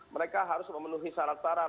mereka harus memenuhi syarat syarat